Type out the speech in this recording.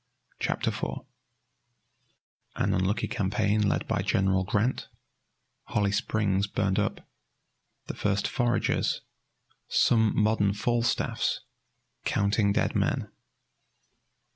CHAPTER IV An unlucky campaign led by General Grant Holly Springs burned up The first foragers Some modern Falstaffs Counting dead men.